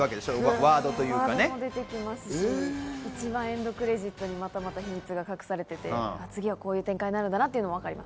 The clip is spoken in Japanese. ワードも出てきますし、一番、エンドクレジットに秘密が隠されてて、次はこういう展開になるんだなって分かります。